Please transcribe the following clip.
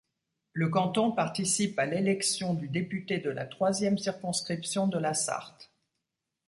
Le canton participe à l'élection du député de la troisième circonscription de la Sarthe.